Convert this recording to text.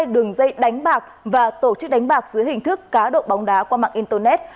đường dây đánh bạc và tổ chức đánh bạc dưới hình thức cá độ bóng đá qua mạng internet